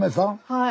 はい。